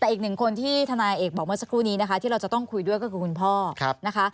แต่อีกหนึ่งคนที่ทนายเอกบอกเมื่อสักครู่นี้นะคะที่เราจะต้องคุยด้วยก็คือคุณพ่อนะคะ